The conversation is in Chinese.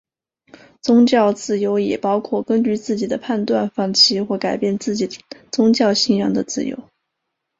宗教自由也包括根据自己的判断放弃或改变自己的宗教信仰的自由。